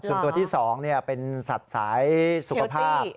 ส่วนตัวที่๒เป็นสัตว์สายสุขภาพ